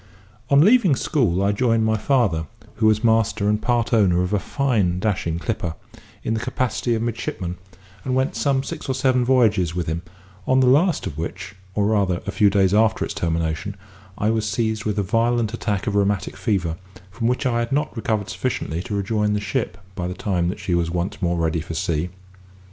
On leaving school I joined my father (who was master and part owner of a fine dashing clipper), in the capacity of midshipman, and went some six or seven voyages with him: on the last of which, or rather, a few days after its termination, I was seized with a violent attack of rheumatic fever, from which I had not recovered sufficiently to rejoin the ship by the time that she was once more ready for sea.